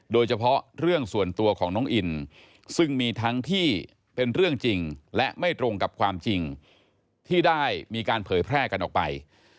โดยเฉพาะเรื่องส่วนตัวของน้องอินซึ่งมีทั้งที่เป็นเรื่องจริงและไม่ตรงกับความจริงที่ได้มีการเผยแพร่กันออกไป